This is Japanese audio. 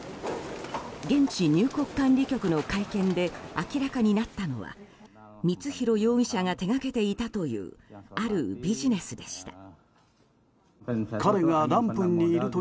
現地入国管理局の会見で明らかになったのは光弘容疑者が手掛けていたというあるビジネスでした。